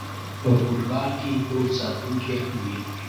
په فوټبال کې ګول ساتونکی هم وي